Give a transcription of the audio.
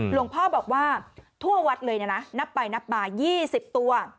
หลวงพ่อบอกว่าทั่ววัดเลยนะนับไปนับมา๒๐ตัว